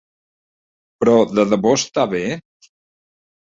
¿Però de debò està bé?